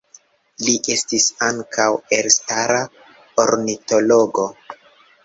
Li estis ankaŭ elstara ornitologo.